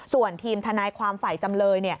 ส่วนทีมทนายความฝ่ายจำเลย